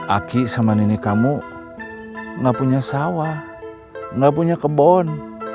aki sama nenek kamu gak punya sawah nggak punya kebon